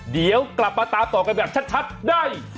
เดี๋ยวกลับมาตามต่อกันแบบชัดได้